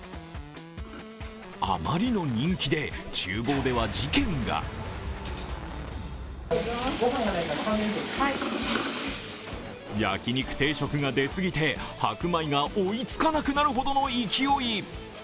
あまりの人気で、ちゅう房では事件が焼き肉定食が出過ぎて白米が追いつかなくなるほどの勢い。